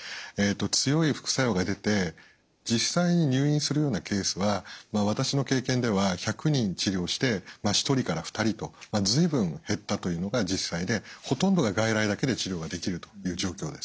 強い副作用が出て実際に入院するようなケースは私の経験では１００人治療して１人から２人と随分減ったというのが実際でほとんどが外来だけで治療ができるという状況です。